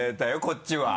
こっちは。